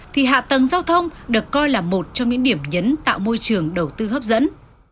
thì hạ tầng giao thông được coi là một trong những điểm nhấn tạo môi trường đầu tư hấp dẫn